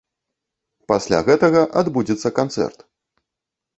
Пасля гэтага адбудзецца канцэрт.